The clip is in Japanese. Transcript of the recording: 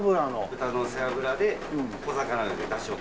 豚の背脂で小魚でだしを取る。